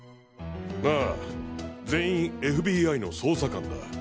ああ全員ＦＢＩの捜査官だ。